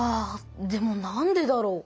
でもなんでだろう？